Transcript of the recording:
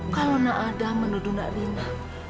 kalau nak adam menuduh nak rina